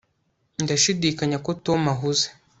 ndashidikanya ko tom ahuze